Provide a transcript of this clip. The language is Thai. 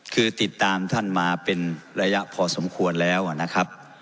คือติดตามท่านมาเป็นระยะพอสมควรแล้วนะครับ